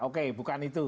oke bukan itu